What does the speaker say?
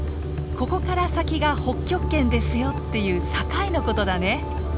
「ここから先が北極圏ですよ」っていう境のことだね。